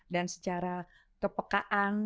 dan secara kepekaan